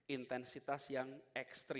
intensitas yang ekstrim